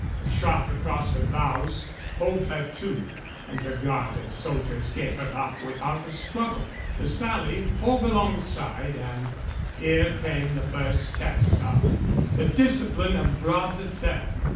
A shot across her bows hove her to, and her guard of soldiers gave her up without a struggle. The Sally hove alongside, and here came the first test of the discipline of Bras de Fer.